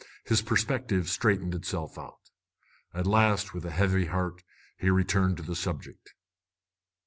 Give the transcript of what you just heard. His perspective straightened itself out. At last, with a heavy heart, he returned to the subject.